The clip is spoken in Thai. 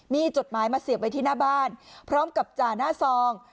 มีจดหมายมาเสียบไว้ที่หน้าบ้านพร้อมกับจ่าหน้าซอง